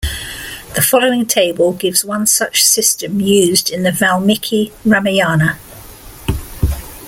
The following table gives one such system used in the Valmiki Ramayana.